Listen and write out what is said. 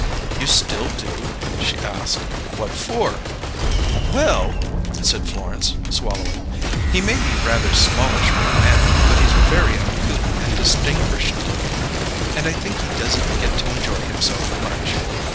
"You still do?" she asked. "What for?" "Well," said Florence, swallowing, "he may be rather smallish for a man, but he's very uncouth and distingrished looking, and I think he doesn't get to enjoy himself much.